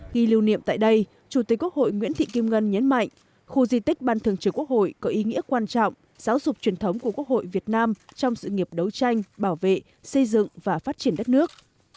ghi lưu niệm tại đây chủ tịch quốc hội nguyễn thị kim ngân nhấn mạnh khu di tích ban thường trực quốc hội có ý nghĩa quan trọng giáo dục truyền thống của quốc hội việt nam trong sự nghiệp đấu tranh bảo vệ xây dựng và phát triển đất nước